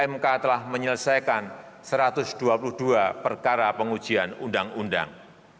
mk telah menyelesaikan satu ratus dua puluh dua perkara pengujian undang undang